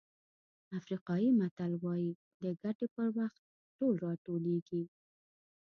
افریقایي متل وایي د ګټې په وخت ټول راټولېږي.